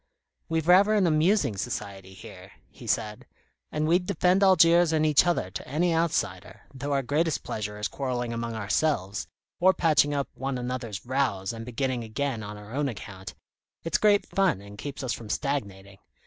"We've rather an amusing society here," he said. "And we'd defend Algiers and each other to any outsider, though our greatest pleasure is quarrelling among ourselves, or patching up one another's rows and beginning again on our own account. It's great fun and keeps us from stagnating.